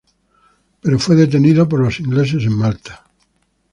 Pero fue detenido por los ingleses en Malta.